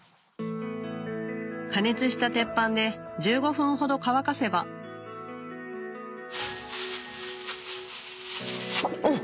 加熱した鉄板で１５分ほど乾かせばおっ。